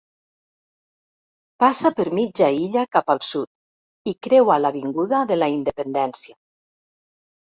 Passa per mitja illa cap al sud i creua l'Avinguda de la Independència.